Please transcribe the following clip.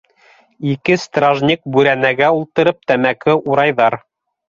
Ике стражник бүрәнәгә ултырып тәмәке урайҙар.